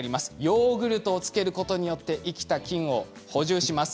ヨーグルトをつけることによって生きた菌を補充します。